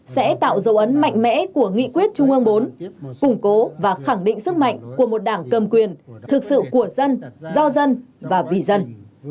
sẽ tạo dấu ấn mạnh mẽ của nghị quyết trung ương bốn củng cố và khẳng định sức mạnh của một đảng cầm quyền thực sự của dân do dân và vì dân